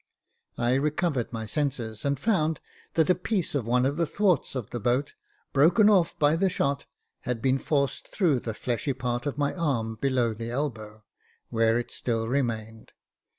I recovered my senses, and found that a piece of one of the thwarts of the boat, broken off by the shot, had been forced through the fleshy part of my arm below the elbow, where it still remained.